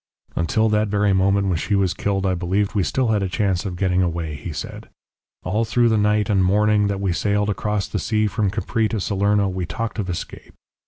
"Until that very moment when she was killed I believed we had still a chance of getting away," he said. "All through the night and morning that we sailed across the sea from Capri to Salerno, we talked of escape.